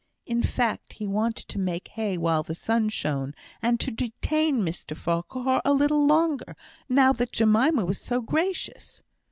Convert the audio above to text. In fact, he wanted to make hay while the sun shone, and to detain Mr Farquhar a little longer, now that Jemima was so gracious.